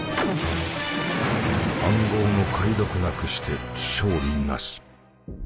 暗号の解読なくして勝利なし。